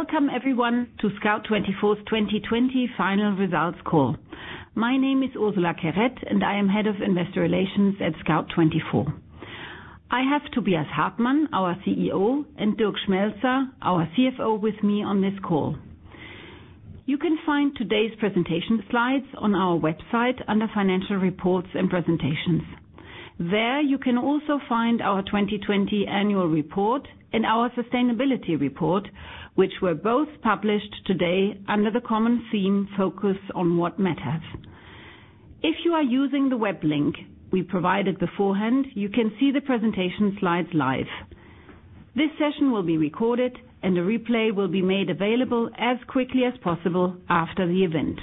Welcome, everyone, to Scout24's 2020 Final Results Call. My name is Ursula Querette, and I am Head of Investor Relations at Scout24. I have Tobias Hartmann, our CEO, and Dirk Schmelzer, our CFO, with me on this call. You can find today's presentation slides on our website under Financial Reports and Presentations. There you can also find our 2020 Annual Report and our Sustainability Report, which were both published today under the common theme Focus on What Matters. If you are using the web link we provided beforehand, you can see the presentation slides live. This session will be recorded, and a replay will be made available as quickly as possible after the event.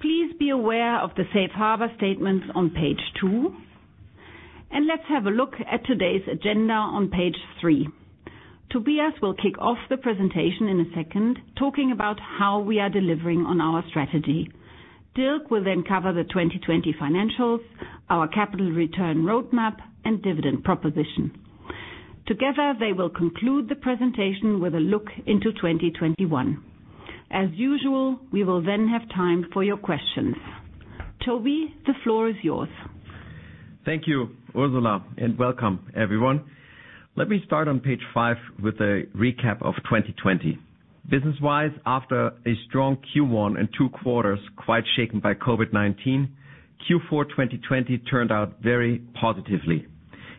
Please be aware of the Safe Harbor Statements on page two, and let's have a look at today's agenda on page three. Tobias will kick off the presentation in a second, talking about how we are delivering on our strategy. Dirk will then cover the 2020 financials, our capital return roadmap, and dividend proposition. Together, they will conclude the presentation with a look into 2021. As usual, we will then have time for your questions. Tobi, the floor is yours. Thank you, Ursula, and welcome, everyone. Let me start on page five with a recap of 2020. Business-wise, after a strong Q1 and two quarters quite shaken by COVID-19, Q4 2020 turned out very positively.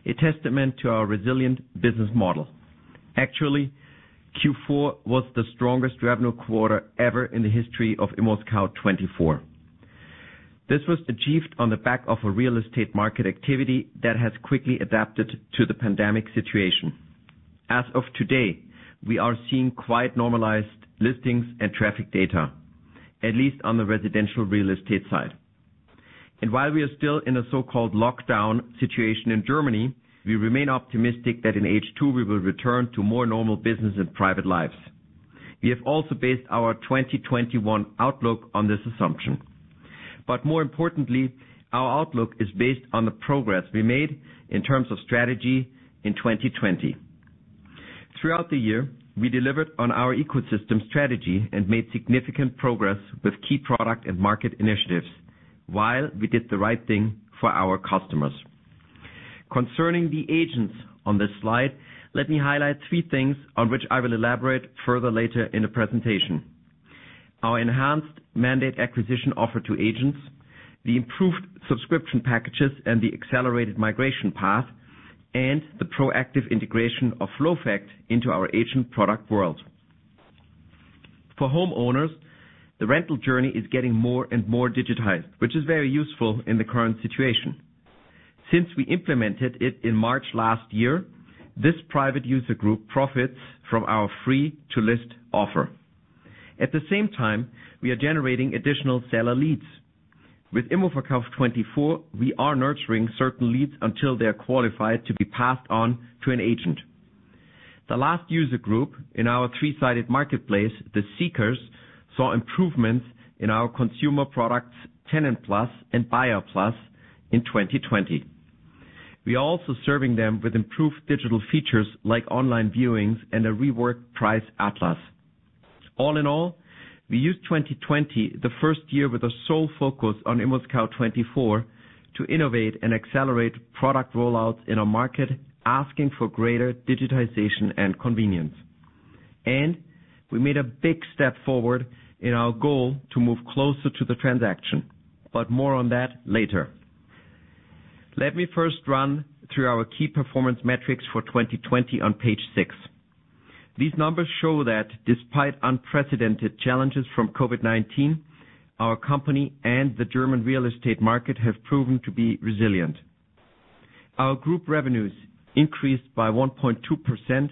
A testament to our resilient business model. Actually, Q4 was the strongest revenue quarter ever in the history of ImmoScout24. This was achieved on the back of real estate market activity that has quickly adapted to the pandemic situation. As of today, we are seeing quite normalized listings and traffic data, at least on the residential real estate side. While we are still in a so-called lockdown situation in Germany, we remain optimistic that in H2, we will return to more normal business and private lives. We have also based our 2021 outlook on this assumption. More importantly, our outlook is based on the progress we made in terms of strategy in 2020. Throughout the year, we delivered on our ecosystem strategy and made significant progress with key product and market initiatives while we did the right thing for our customers. Concerning the agents on this slide, let me highlight three things on which I will elaborate further later in the presentation: Our enhanced mandate acquisition offer to agents, the improved subscription packages, and the accelerated migration path, and the proactive integration of FlowFact into our agent product world. For homeowners, the rental journey is getting more and more digitized, which is very useful in the current situation. Since we implemented it in March last year, this private user group profits from our free-to-list offer. At the same time, we are generating additional seller leads. With immoverkauf24, we are nurturing certain leads until they are qualified to be passed on to an agent. The last user group in our three-sided marketplace, the seekers, saw improvements in our consumer products, TenantPlus and BuyerPlus, in 2020. We are also serving them with improved digital features like online viewings and a reworked Price Atlas. All in all, we used 2020, the first year with a sole focus on ImmoScout24, to innovate and accelerate product rollouts in our market, asking for greater digitization and convenience. We made a big step forward in our goal to move closer to the transaction, but more on that later. Let me first run through our key performance metrics for 2020 on page six. These numbers show that despite unprecedented challenges from COVID-19, our company and the German real estate market have proven to be resilient. Our group revenues increased by 1.2%,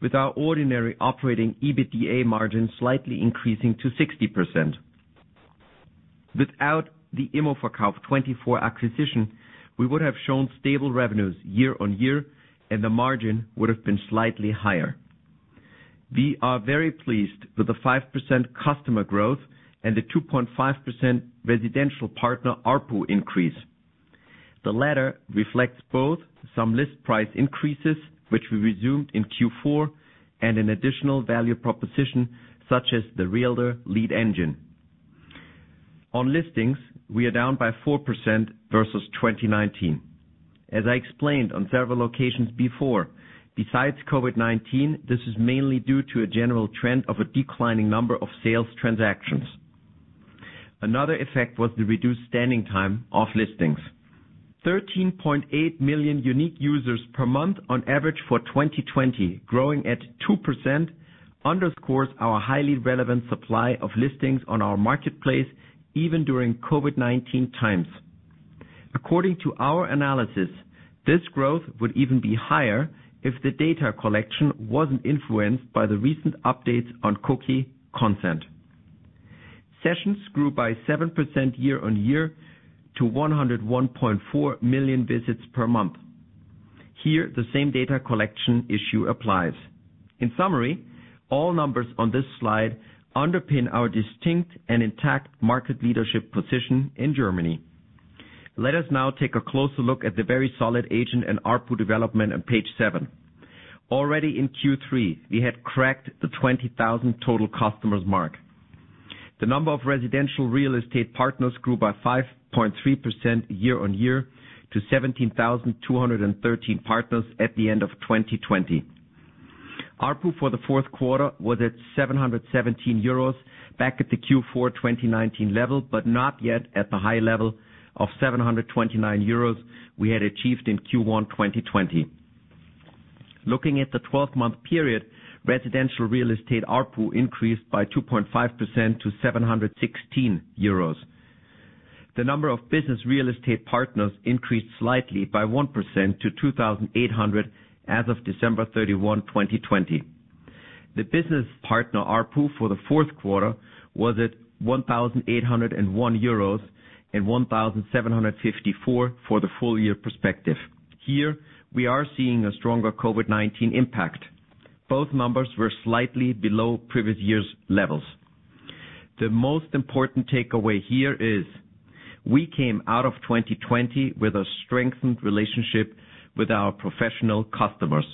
with our ordinary operating EBITDA margin slightly increasing to 60%. Without the immoverkauf24 acquisition, we would have shown stable revenues year-on-year, and the margin would have been slightly higher. We are very pleased with the 5% customer growth and the 2.5% residential partner ARPU increase. The latter reflects both some list price increases, which we resumed in Q4, and an additional value proposition such as the Realtor Lead Engine. On listings, we are down by 4% versus 2019. As I explained on several occasions before, besides COVID-19, this is mainly due to a general trend of a declining number of sales transactions. Another effect was the reduced standing time of listings. 13.8 million unique users per month on average for 2020, growing at 2%, underscores our highly relevant supply of listings on our marketplace, even during COVID-19 times. According to our analysis, this growth would even be higher if the data collection wasn't influenced by the recent updates on cookie consent. Sessions grew by 7% year-on-year to 101.4 million visits per month. Here, the same data collection issue applies. In summary, all numbers on this slide underpin our distinct and intact market leadership position in Germany. Let us now take a closer look at the very solid agent and ARPU development on page seven. Already in Q3, we had cracked the 20,000 total customers mark. The number of residential real estate partners grew by 5.3% year-on-year to 17,213 partners at the end of 2020. ARPU for the Q4 was at 717 euros back at the Q4 2019 level, but not yet at the high level of 729 euros we had achieved in Q1 2020. Looking at the 12-month period, residential real estate ARPU increased by 2.5% to 716 euros. The number of business real estate partners increased slightly by 1% to 2,800 as of December 31, 2020. The business partner ARPU for the Q4 was at 1,801 euros and 1,754 EUR for the full-year perspective. Here, we are seeing a stronger COVID-19 impact. Both numbers were slightly below previous year's levels. The most important takeaway here is we came out of 2020 with a strengthened relationship with our professional customers.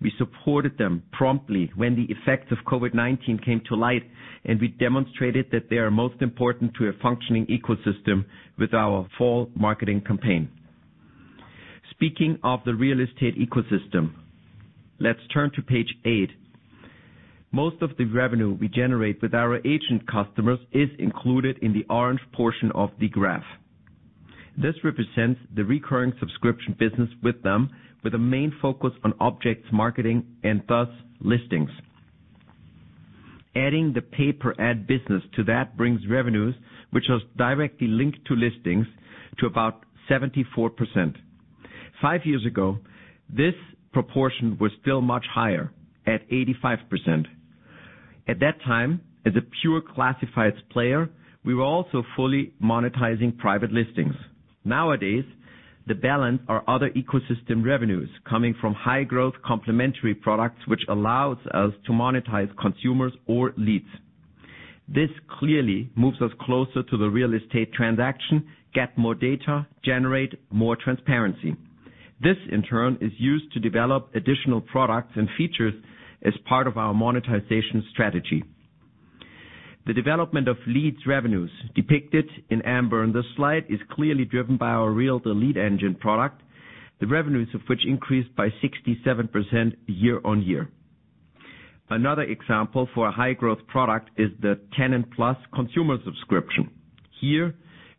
We supported them promptly when the effects of COVID-19 came to light, and we demonstrated that they are most important to a functioning ecosystem with our [fall] marketing campaign. Speaking of the real estate ecosystem, let's turn to page eight. Most of the revenue we generate with our agent customers is included in the orange portion of the graph. This represents the recurring subscription business with them, with a main focus on objects marketing and [bus] listings. Adding the pay-per-ad business to that brings revenues, which are directly linked to listings, to about 74%. Five years ago, this proportion was still much higher at 85%. At that time, as a pure classifieds player, we were also fully monetizing private listings. Nowadays, the balance are other ecosystem revenues coming from high-growth complementary products, which allows us to monetize consumers or leads. This clearly moves us closer to the real estate transaction, get more data, generate more transparency. This, in turn, is used to develop additional products and features as part of our monetization strategy. The development of leads revenues depicted in amber on this slide is clearly driven by our Realtor Lead Engine product, the revenues of which increased by 67% year-on-year. Another example for a high-growth product is the TenantPlus consumer subscription. Here,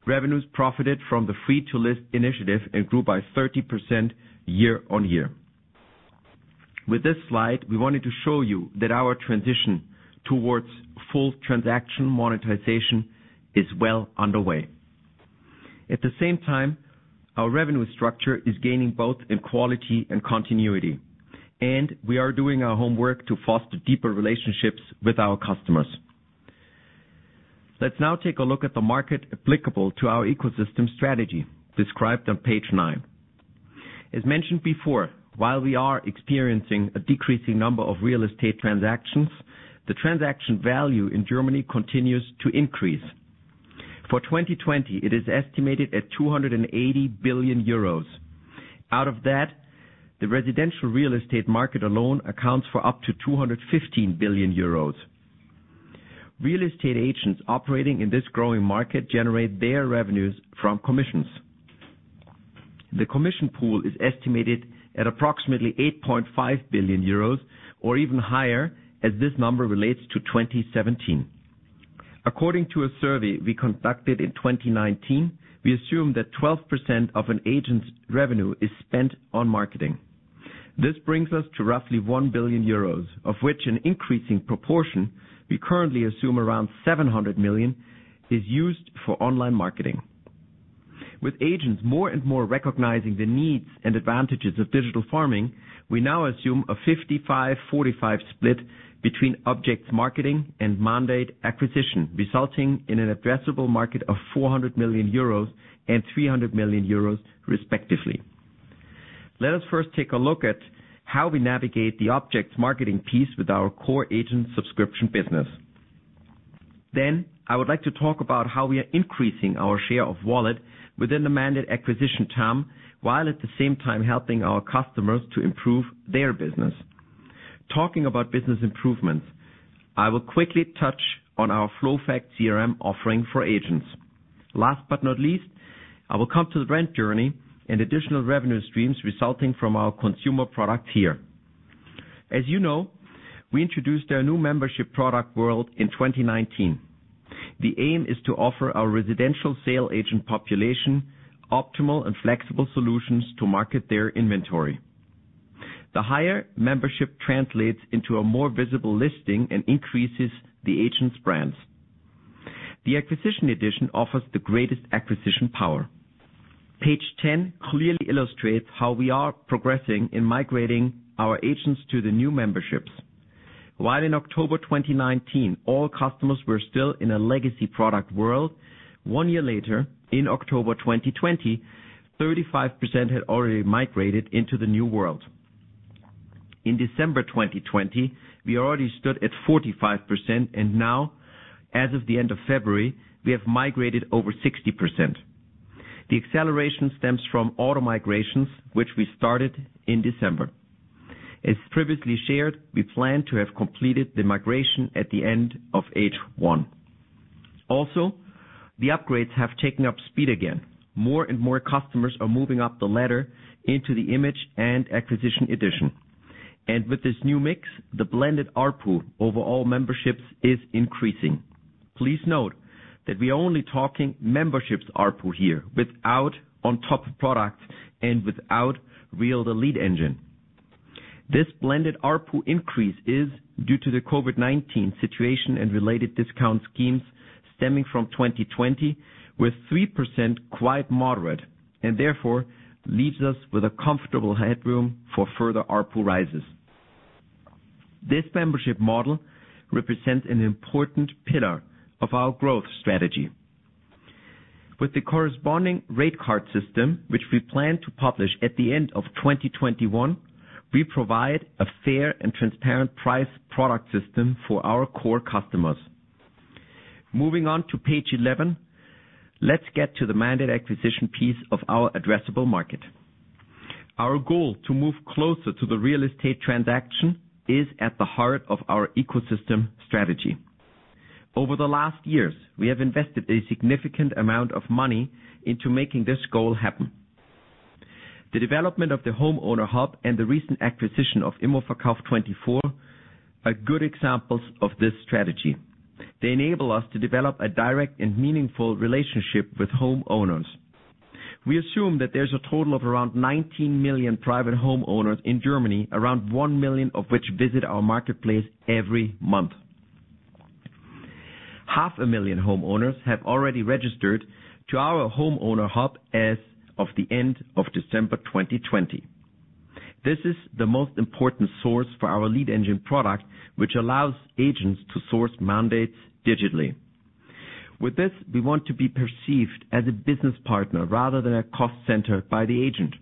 revenues profited from the free-to-list initiative and grew by 30% year-on-year. With this slide, we wanted to show you that our transition towards full transaction monetization is well underway. At the same time, our revenue structure is gaining both in quality and continuity, and we are doing our homework to foster deeper relationships with our customers. Let's now take a look at the market applicable to our ecosystem strategy described on page nine. As mentioned before, while we are experiencing a decreasing number of real estate transactions, the transaction value in Germany continues to increase. For 2020, it is estimated at 280 billion euros. Out of that, the residential real estate market alone accounts for up to 215 billion euros. Real estate agents operating in this growing market generate their revenues from commissions. The commission pool is estimated at approximately 8.5 billion euros or even higher, as this number relates to 2017. According to a survey we conducted in 2019, we assume that 12% of an agent's revenue is spent on marketing. This brings us to roughly 1 billion euros, of which an increasing proportion, we currently assume around 700 million, is used for online marketing. With agents more and more recognizing the needs and advantages of digital farming, we now assume a 55-45 split between objects marketing and mandate acquisition, resulting in an addressable market of 400 million euros and 300 million euros, respectively. Let us first take a look at how we navigate the objects marketing piece with our core agent subscription business. Then, I would like to talk about how we are increasing our share of wallet within the mandate acquisition term while at the same time helping our customers to improve their business. Talking about business improvements, I will quickly touch on our FlowFact CRM offering for agents. Last but not least, I will come to the rent journey and additional revenue streams resulting from our consumer product here. As you know, we introduced our new membership product world in 2019. The aim is to offer our residential sales agent population optimal and flexible solutions to market their inventory. The higher membership translates into a more visible listing and increases the agent's brand. The acquisition edition offers the greatest acquisition power. Page 10 clearly illustrates how we are progressing in migrating our agents to the new memberships. While in October 2019, all customers were still in a legacy product world, one year later, in October 2020, 35% had already migrated into the new world. In December 2020, we already stood at 45%, and now, as of the end of February, we have migrated over 60%. The acceleration stems from auto-migrations, which we started in December [2020]. As previously shared, we plan to have completed the migration at the end of H1. The upgrades have taken up speed again. More and more customers are moving up the ladder into the Image and Acquisition Edition. And with this new mix, the blended ARPU over all memberships is increasing. Please note that we are only talking memberships ARPU here, without on-top product and without Realtor Lead Engine. This blended ARPU increase is due to the COVID-19 situation and related discount schemes stemming from 2020, with 3% quite moderate and therefore leaves us with a comfortable headroom for further ARPU rises. This membership model represents an important pillar of our growth strategy. With the corresponding rate card system, which we plan to publish at the end of 2021, we provide a fair and transparent price product system for our core customers. Moving on to page 11, let's get to the mandate acquisition piece of our addressable market. Our goal to move closer to the real estate transaction is at the heart of our ecosystem strategy. Over the last years, we have invested a significant amount of money into making this goal happen. The development of the Homeowner Hub and the recent acquisition of immoverkauf24 are good examples of this strategy. They enable us to develop a direct and meaningful relationship with homeowners. We assume that there's a total of around 19 million private homeowners in Germany, around one million of which visit our marketplace every month. Half a million homeowners have already registered to our Homeowner Hub as of the end of December 2020. This is the most important source for our Lead Engine product, which allows agents to source mandates digitally. With this, we want to be perceived as a business partner rather than a cost center by the agent.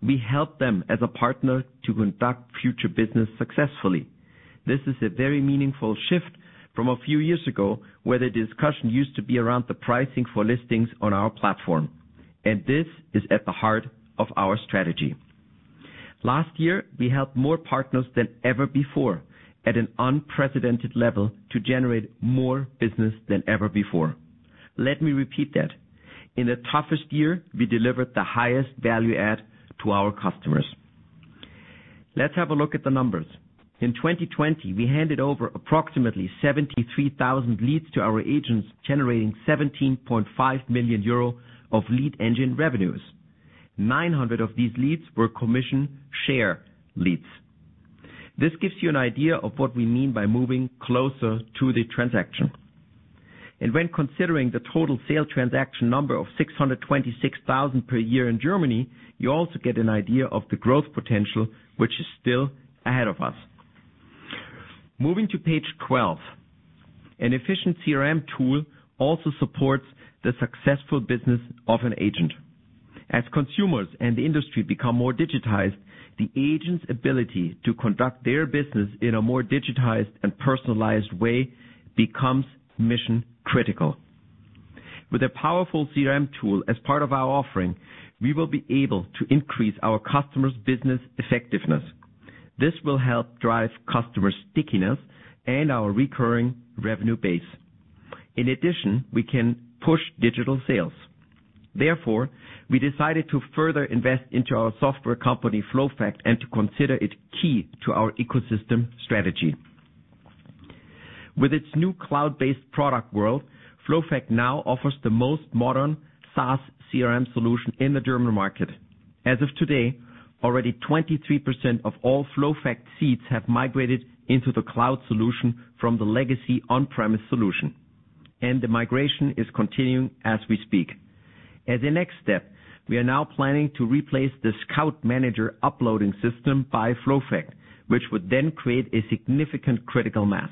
We help them as a partner to conduct future business successfully. This is a very meaningful shift from a few years ago, where the discussion used to be around the pricing for listings on our platform, and this is at the heart of our strategy. Last year, we helped more partners than ever before at an unprecedented level to generate more business than ever before. Let me repeat that. In the toughest year, we delivered the highest value add to our customers. Let's have a look at the numbers. In 2020, we handed over approximately 73,000 leads to our agents, generating 17.5 million euro of Lead Engine revenues, 900 of these leads were commission share leads. This gives you an idea of what we mean by moving closer to the transaction, and when considering the total sale transaction number of 626,000 per year in Germany, you also get an idea of the growth potential, which is still ahead of us. Moving to page 12, an efficient CRM tool also supports the successful business of an agent. As consumers and the industry become more digitized, the agent's ability to conduct their business in a more digitized and personalized way becomes mission-critical. With a powerful CRM tool as part of our offering, we will be able to increase our customers' business effectiveness. This will help drive customer stickiness and our recurring revenue base. In addition, we can push digital sales. Therefore, we decided to further invest into our software company, FlowFact, and to consider it key to our ecosystem strategy. With its new cloud-based product world, FlowFact now offers the most modern SaaS CRM solution in the German market. As of today, already 23% of all FlowFact seats have migrated into the cloud solution from the legacy on-premise solution. The migration is continuing as we speak. As a next step, we are now planning to replace the ScoutManager uploading system by FlowFact, which would then create a significant critical mass.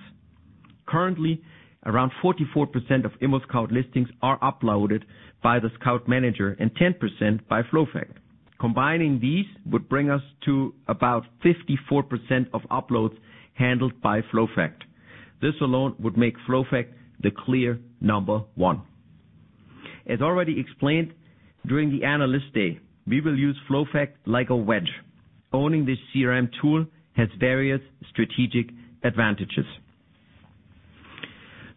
Currently, around 44% of ImmoScout24 listings are uploaded by the ScoutManager and 10% by FlowFact. Combining these would bring us to about 54% of uploads handled by FlowFact. This alone would make FlowFact the clear number one. As already explained during the analyst day, we will use FlowFact like a wedge. Owning this CRM tool has various strategic advantages.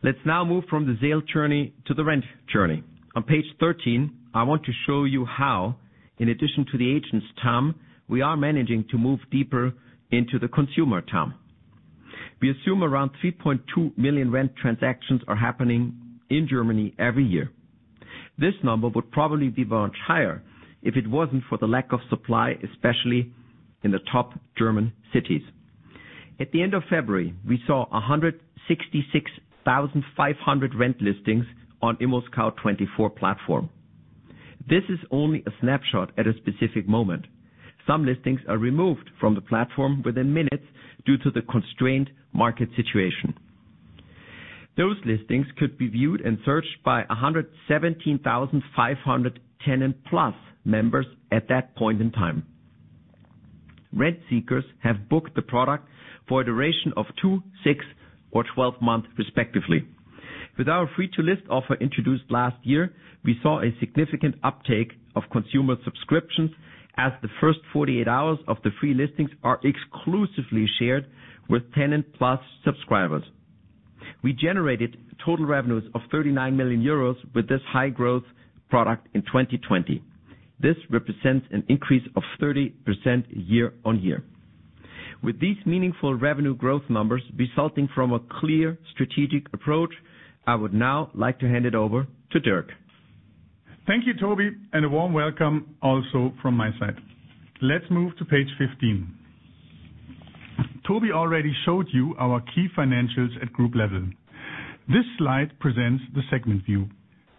Let's now move from the sale journey to the rent journey. On page 13, I want to show you how, in addition to the agents term, we are managing to move deeper into the consumer term. We assume around 3.2 million rent transactions are happening in Germany every year. This number would probably be much higher if it wasn't for the lack of supply, especially in the top German cities. At the end of February, we saw 166,500 rent listings on ImmoScout24 platform. This is only a snapshot at a specific moment. Some listings are removed from the platform within minutes due to the constrained market situation. Those listings could be viewed and searched by 117,500 TenantPlus members at that point in time. Rent seekers have booked the product for a duration of two, six, or 12 months, respectively. With our free-to-list offer introduced last year, we saw a significant uptake of consumer subscriptions as the first 48 hours of the free listings are exclusively shared with TenantPlus subscribers. We generated total revenues of 39 million euros with this high-growth product in 2020. This represents an increase of 30% year-on-year. With these meaningful revenue growth numbers resulting from a clear strategic approach, I would now like to hand it over to Dirk. Thank you, Tobi, and a warm welcome also from my side. Let's move to page 15. Tobi already showed you our key financials at group level. This slide presents the segment view.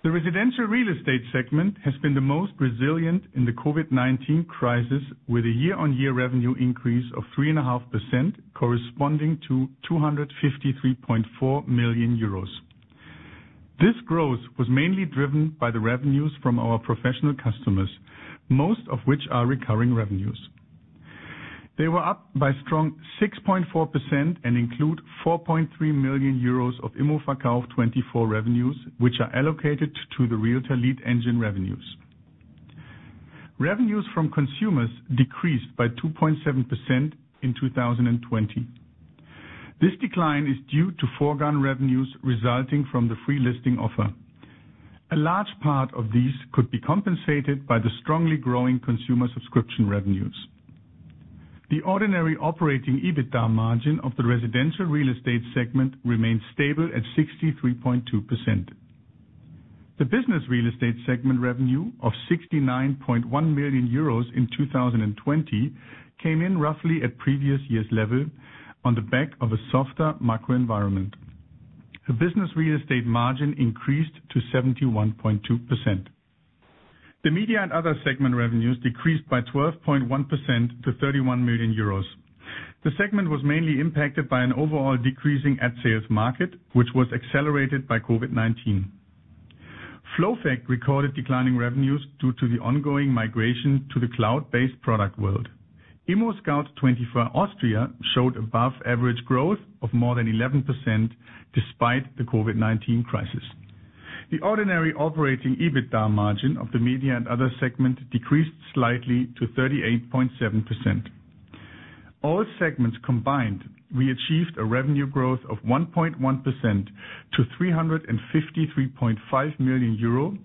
The residential real estate segment has been the most resilient in the COVID-19 crisis, with a year-on-year revenue increase of 3.5%, corresponding to 253.4 million euros. This growth was mainly driven by the revenues from our professional customers, most of which are recurring revenues. They were up by a strong 6.4% and include 4.3 million euros of immoverkauf24 revenues, which are allocated to the Realtor Lead Engine revenues. Revenues from consumers decreased by 2.7% in 2020. This decline is due to foregone revenues resulting from the free listing offer. A large part of these could be compensated by the strongly growing consumer subscription revenues. The ordinary operating EBITDA margin of the residential real estate segment remained stable at 63.2%. The business real estate segment revenue of 69.1 million euros in 2020 came in roughly at previous year's level on the back of a softer macro environment. The business real estate margin increased to 71.2%. The media and other segment revenues decreased by 12.1% to 31 million euros. The segment was mainly impacted by an overall decreasing ad sales market, which was accelerated by COVID-19. FlowFact recorded declining revenues due to the ongoing migration to the cloud-based product world. ImmoScout24 Austria showed above-average growth of more than 11% despite the COVID-19 crisis. The ordinary operating EBITDA margin of the media and other segment decreased slightly to 38.7%. All segments combined, we achieved a revenue growth of 1.1% to 353.5 million euro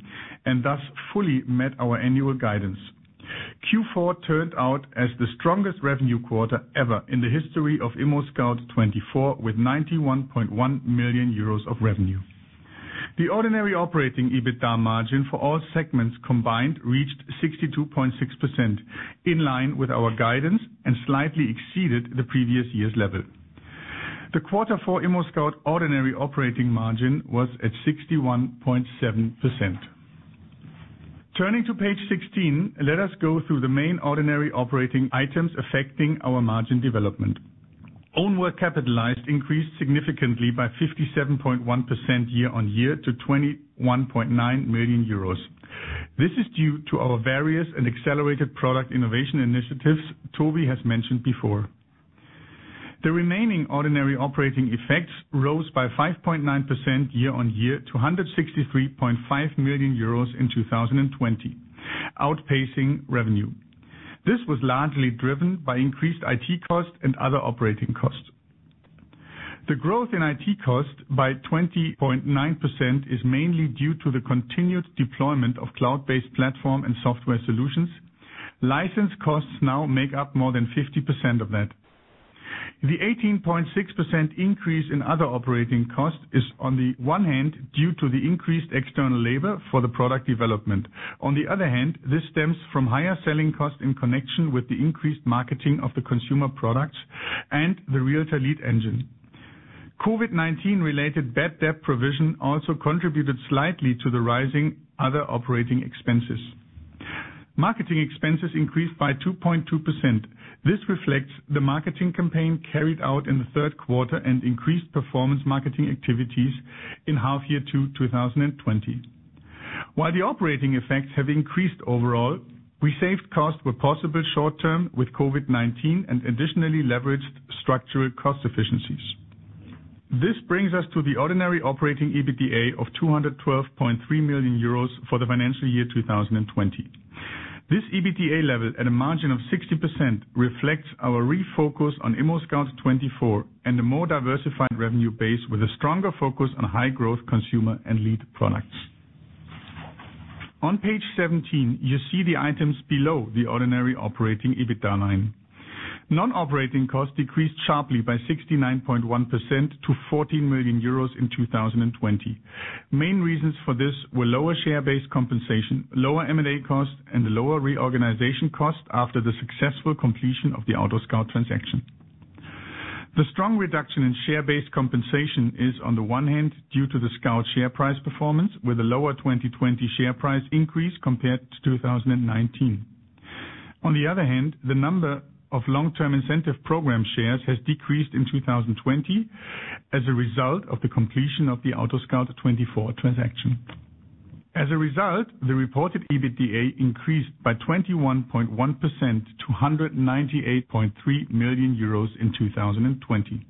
and thus fully met our annual guidance. Q4 turned out as the strongest revenue quarter ever in the history of ImmoScout24, with 91.1 million euros of revenue. The ordinary operating EBITDA margin for all segments combined reached 62.6%, in line with our guidance, and slightly exceeded the previous year's level. The Q4 ImmoScout24 ordinary operating margin was at 61.7%. Turning to page 16, let us go through the main ordinary operating items affecting our margin development. Own work capitalized increased significantly by 57.1% year-on-year to 21.9 million euros. This is due to our various and accelerated product innovation initiatives Tobi has mentioned before. The remaining ordinary operating effects rose by 5.9% year-on-year to 163.5 million euros in 2020, outpacing revenue. This was largely driven by increased IT cost and other operating costs. The growth in IT cost by 20.9% is mainly due to the continued deployment of cloud-based platform and software solutions. License costs now make up more than 50% of that. The 18.6% increase in other operating cost is, on the one hand, due to the increased external labor for the product development. On the other hand, this stems from higher selling costs in connection with the increased marketing of the consumer products and the Realtor Lead Engine. COVID-19-related bad debt provision also contributed slightly to the rising other operating expenses. Marketing expenses increased by 2.2%. This reflects the marketing campaign carried out in the Q3 and increased performance marketing activities in [H2] 2020. While the operating expenses have increased overall, we saved cost where possible short-term with COVID-19 and additionally leveraged structural cost efficiencies. This brings us to the ordinary operating EBITDA of 212.3 million euros for the financial year 2020. This EBITDA level at a margin of 60% reflects our refocus on ImmoScout24 and a more diversified revenue base with a stronger focus on high-growth consumer and lead products. On page 17, you see the items below the ordinary operating EBITDA line. Non-operating cost decreased sharply by 69.1% to 14 million euros in 2020. Main reasons for this were lower share-based compensation, lower M&A cost, and lower reorganization cost after the successful completion of the AutoScout24 transaction. The strong reduction in share-based compensation is, on the one hand, due to the Scout share price performance, with a lower 2020 share price increase compared to 2019. On the other hand, the number of long-term incentive program shares has decreased in 2020 as a result of the completion of the AutoScout24 transaction. As a result, the reported EBITDA increased by 21.1% to 198.3 million euros in 2020.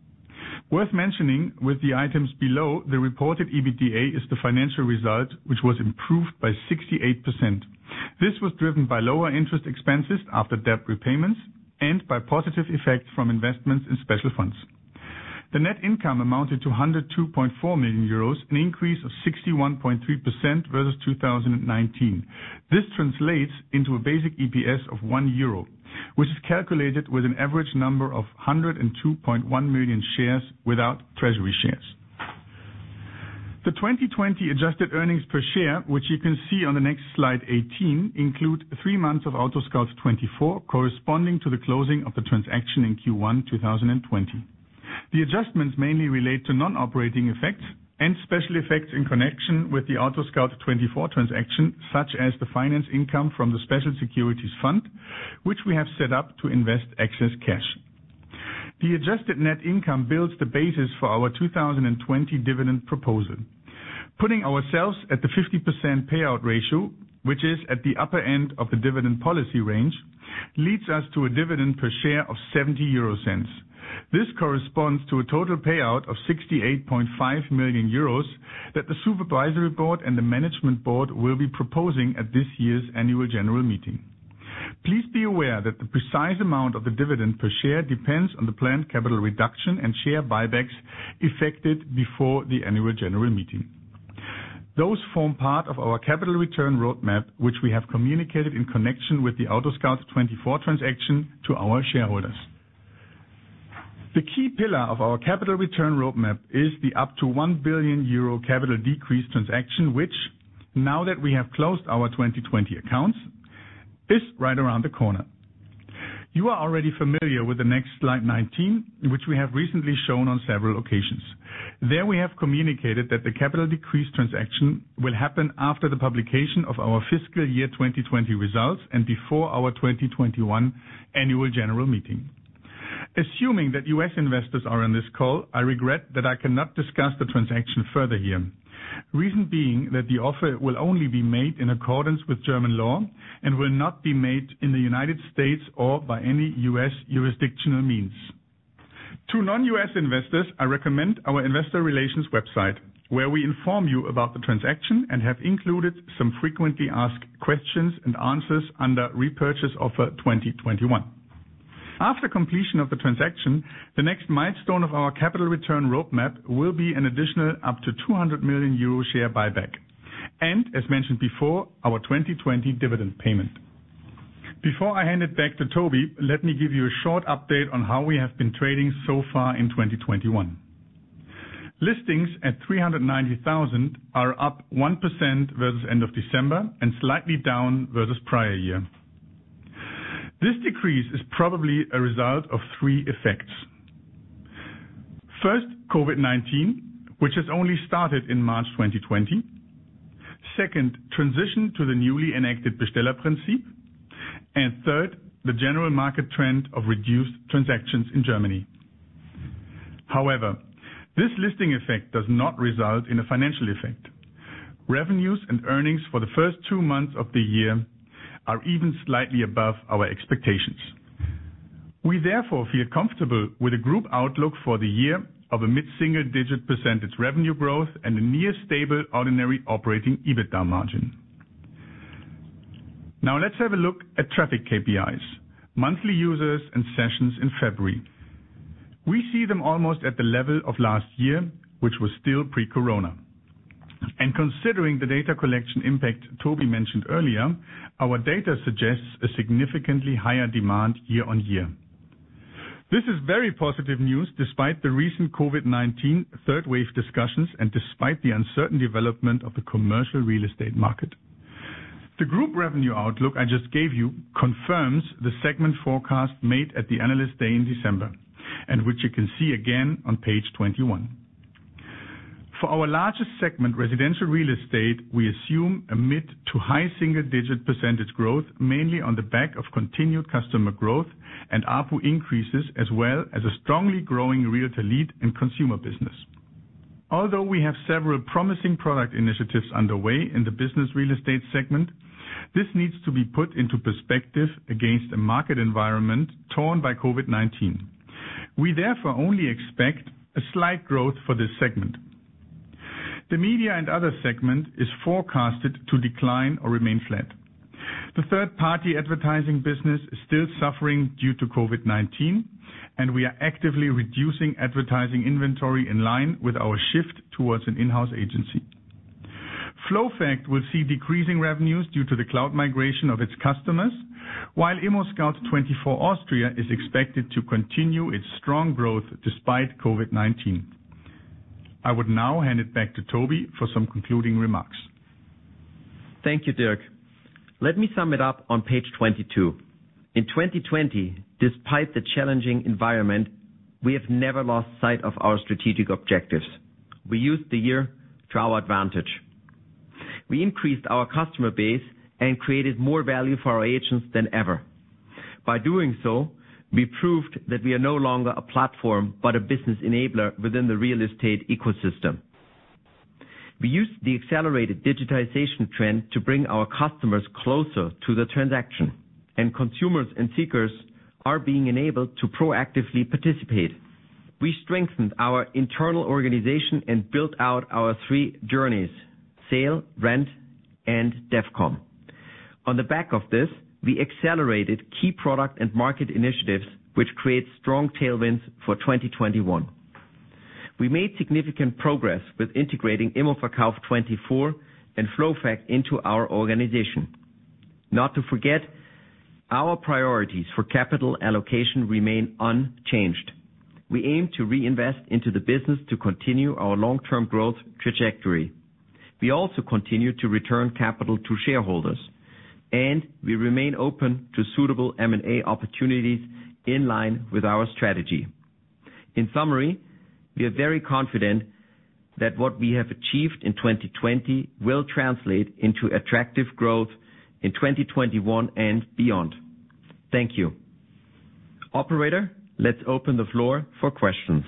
Worth mentioning, with the items below, the reported EBITDA is the financial result, which was improved by 68%. This was driven by lower interest expenses after debt repayments and by positive effects from investments in special funds. The net income amounted to EUR 102.4 million, an increase of 61.3% versus 2019. This translates into a basic EPS of 1 euro, which is calculated with an average number of 102.1 million shares without treasury shares. The 2020 adjusted earnings per share, which you can see on the next slide 18, include three months of AutoScout24, corresponding to the closing of the transaction in Q1 2020. The adjustments mainly relate to non-operating effects and special effects in connection with the AutoScout24 transaction, such as the finance income from the special securities fund, which we have set up to invest excess cash. The adjusted net income builds the basis for our 2020 dividend proposal. Putting ourselves at the 50% payout ratio, which is at the upper end of the dividend policy range, leads us to a dividend per share of 0.70. This corresponds to a total payout of 68.5 million euros that the supervisory board and the management board will be proposing at this year's annual general meeting. Please be aware that the precise amount of the dividend per share depends on the planned capital reduction and share buybacks effected before the annual general meeting. Those form part of our capital return roadmap, which we have communicated in connection with the AutoScout24 transaction to our shareholders. The key pillar of our capital return roadmap is the up to 1 billion euro capital decrease transaction, which, now that we have closed our 2020 accounts, is right around the corner. You are already familiar with the next slide 19, which we have recently shown on several occasions. There we have communicated that the capital decrease transaction will happen after the publication of our fiscal year 2020 results and before our 2021 annual general meeting. Assuming that US investors are on this call, I regret that I cannot discuss the transaction further here. Reason being that the offer will only be made in accordance with German law and will not be made in the United States or by any US jurisdictional means. To non-US investors, I recommend our investor relations website, where we inform you about the transaction and have included some frequently asked questions and answers under Repurchase Offer 2021. After completion of the transaction, the next milestone of our capital return roadmap will be an additional up to 200 million euro share buyback and, as mentioned before, our 2020 dividend payment. Before I hand it back to Tobi, let me give you a short update on how we have been trading so far in 2021. Listings at 390,000 are up 1% versus end of December 2020 and slightly down versus prior year. This decrease is probably a result of three effects. First, COVID-19, which has only started in March 2020. Second, transition to the newly enacted Bestellerprinzip. Third, the general market trend of reduced transactions in Germany. However, this listing effect does not result in a financial effect. Revenues and earnings for the first two months of the year are even slightly above our expectations. We therefore feel comfortable with a group outlook for the year of a mid-single-digit percentage revenue growth and a near-stable ordinary operating EBITDA margin. Now let's have a look at traffic KPIs, monthly users and sessions in February [2020]. We see them almost at the level of last year, which was still pre-Corona, and considering the data collection impact Tobi mentioned earlier, our data suggests a significantly higher demand year-on-year. This is very positive news despite the recent COVID-19 third-wave discussions and despite the uncertain development of the commercial real estate market. The group revenue outlook I just gave you confirms the segment forecast made at the analyst day in December [2020], and which you can see again on page 21. For our largest segment, residential real estate, we assume a mid- to high-single-digit percentage growth mainly on the back of continued customer growth and ARPU increases, as well as a strongly growing realtor lead and consumer business. Although we have several promising product initiatives underway in the business real estate segment, this needs to be put into perspective against a market environment torn by COVID-19. We therefore only expect a slight growth for this segment. The media and other segment is forecasted to decline or remain flat. The third-party advertising business is still suffering due to COVID-19, and we are actively reducing advertising inventory in line with our shift towards an in-house agency. FlowFact will see decreasing revenues due to the cloud migration of its customers, while ImmoScout24 Austria is expected to continue its strong growth despite COVID-19. I would now hand it back to Tobi for some concluding remarks. Thank you, Dirk. Let me sum it up on page 22. In 2020, despite the challenging environment, we have never lost sight of our strategic objectives. We used the year to our advantage. We increased our customer base and created more value for our agents than ever. By doing so, we proved that we are no longer a platform but a business enabler within the real estate ecosystem. We used the accelerated digitization trend to bring our customers closer to the transaction, and consumers and seekers are being enabled to proactively participate. We strengthened our internal organization and built out our three journeys: Sale, rent, and devcom. On the back of this, we accelerated key product and market initiatives, which create strong tailwinds for 2021. We made significant progress with integrating immoverkauf24 and FlowFact into our organization. Not to forget, our priorities for capital allocation remain unchanged. We aim to reinvest into the business to continue our long-term growth trajectory. We also continue to return capital to shareholders, and we remain open to suitable M&A opportunities in line with our strategy. In summary, we are very confident that what we have achieved in 2020 will translate into attractive growth in 2021 and beyond. Thank you. Operator, let's open the floor for questions.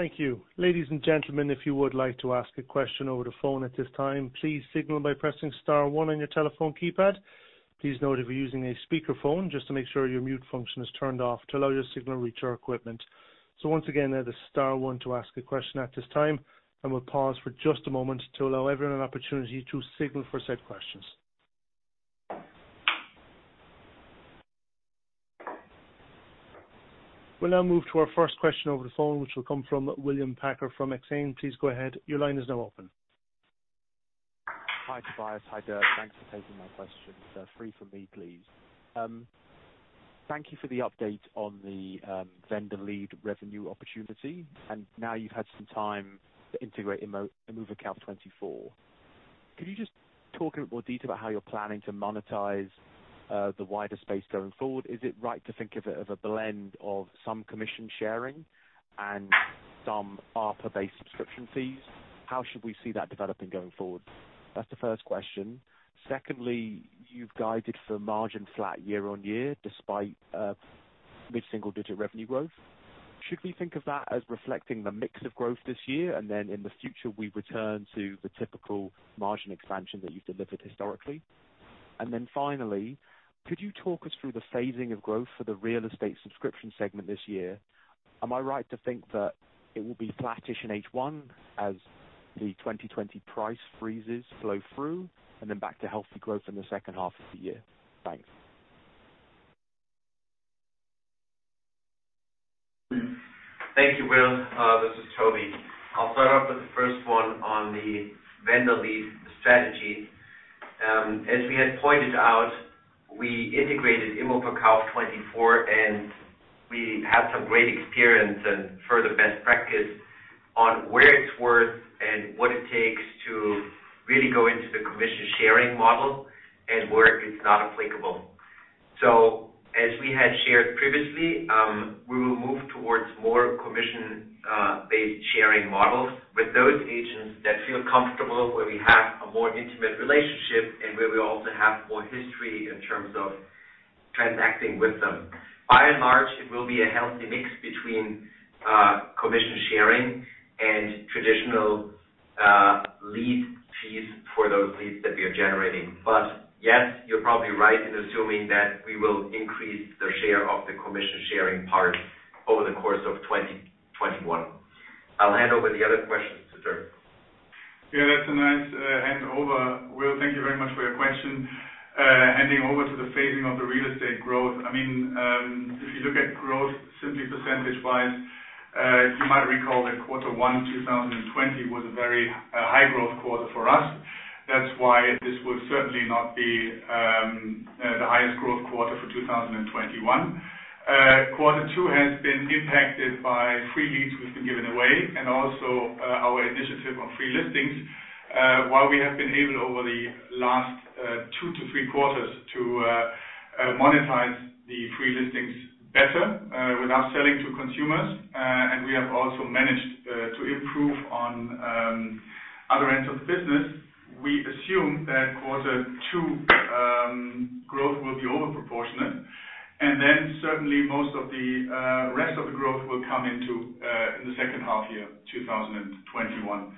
Thank you. Ladies and gentlemen, if you would like to ask a question over the phone at this time, please signal by pressing star one on your telephone keypad. Please note if you're using a speakerphone, just to make sure your mute function is turned off to allow your signal to reach our equipment. Once again, that's star one to ask a question at this time, and we'll pause for just a moment to allow everyone an opportunity to signal for said questions. We'll now move to our first question over the phone, which will come from William Packer from Exane. Please go ahead. Your line is now open. Hi Tobias, hi Dirk. Thanks for taking my questions. Three for me, please. Thank you for the update on the vendor lead revenue opportunity, and now you've had some time to integrate immoverkauf24. Could you just talk in a bit more detail about how you're planning to monetize the wider space going forward? Is it right to think of it as a blend of some commission sharing and some ARPA-based subscription fees? How should we see that developing going forward? That's the first question. Secondly, you've guided for margin flat year-on-year despite mid-single-digit revenue growth. Should we think of that as reflecting the mix of growth this year, and then in the future we return to the typical margin expansion that you've delivered historically? Finally, could you talk us through the phasing of growth for the real estate subscription segment this year? Am I right to think that it will be flattish in H1 as the 2020 price freezes flow through and then back to healthy growth in the second half of the year? Thanks. Thank you, Will. This is Tobi. I'll start off with the first one on the vendor lead strategy. As we had pointed out, we integrated immoverkauf24, and we have some great experience and further best practice on where it's worth and what it takes to really go into the commission sharing model and where it's not applicable. As we had shared previously, we will move towards more commission-based sharing models with those agents that feel comfortable where we have a more intimate relationship and where we also have more history in terms of transacting with them. By and large, it will be a healthy mix between commission sharing and traditional lead fees for those leads that we are generating. Yes, you're probably right in assuming that we will increase the share of the commission sharing part over the course of 2021. I'll hand over the other questions to Dirk. Yeah, that's a nice handover. Will, thank you very much for your question. Handing over to the phasing of the real estate growth. I mean, if you look at growth simply percentage-wise, you might recall that Q1 2020 was a very high growth quarter for us. That's why this will certainly not be the highest growth quarter for 2021. Q2 has been impacted by free leads we've been given away and also our initiative on free listings. While we have been able over the last two to three quarters to monetize the free listings better without selling to consumers, and we have also managed to improve on other ends of the business, we assume that Q2 growth will be overproportionate, and then certainly most of the rest of the growth will come into the [H2] 2021.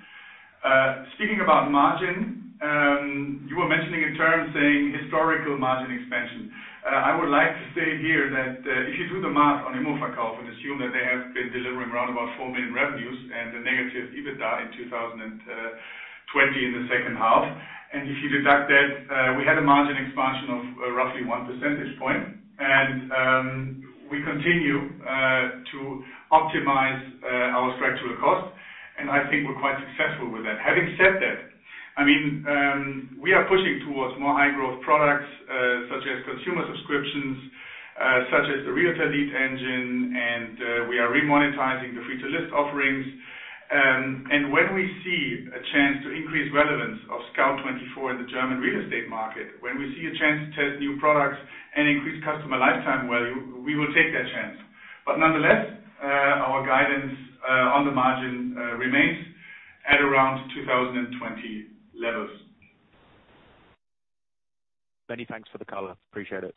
Speaking about margin, you were mentioning a term saying historical margin expansion. I would like to say here that if you do the math on immoverkauf24 and assume that they have been delivering around about 4 million revenues and a negative EBITDA in 2020 in the second half, and if you deduct that, we had a margin expansion of roughly one percentage point, and we continue to optimize our structural cost, and I think we're quite successful with that. Having said that, I mean, we are pushing towards more high-growth products such as consumer subscriptions, such as the Realtor Lead Engine, and we are remonetizing the free-to-list offerings, and when we see a chance to increase relevance of Scout24 in the German real estate market, when we see a chance to test new products and increase customer lifetime value, we will take that chance, but nonetheless, our guidance on the margin remains at around 2020 levels. Many thanks for the color. Appreciate it.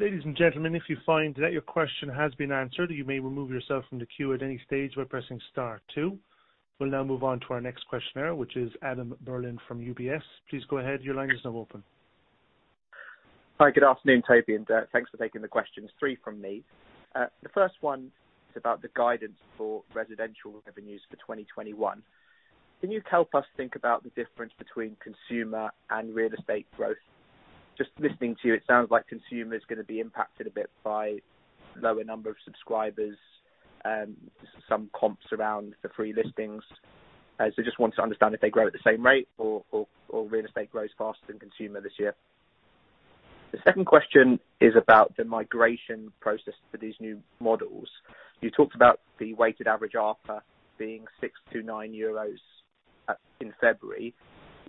Ladies and gentlemen, if you find that your question has been answered, you may remove yourself from the queue at any stage by pressing star two. We'll now move on to our next questioner, which is Adam Berlin from UBS. Please go ahead. Your line is now open. Hi, good afternoon, Tobi and Dirk. Thanks for taking the questions. Three from me. The first one is about the guidance for residential revenues for 2021. Can you help us think about the difference between consumer and real estate growth? Just listening to you, it sounds like consumers are going to be impacted a bit by lower number of subscribers and some comps around the free listings. So just want to understand if they grow at the same rate or real estate grows faster than consumer this year. The second question is about the migration process for these new models. You talked about the weighted average ARPA being 6 euros to 9 in February